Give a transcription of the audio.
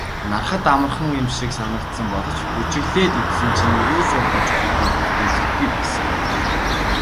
Hарахад амархан юм шиг санагдсан боловч бүжиглээд үзсэн чинь ерөөсөө болж өгөхгүй эвлэхгүй байсан.